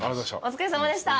お疲れさまでした。